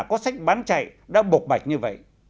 cũng như vậy